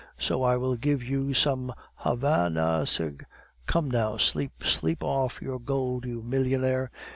So I will give you some Hava na cig " "Come, now, sleep. Sleep off your gold, you millionaire!"